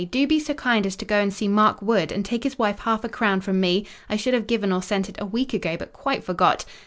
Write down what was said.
do be so kind as to go and see Mark Wood, and take his wife half a crown from me—I should have given or sent it a week ago, but quite forgot.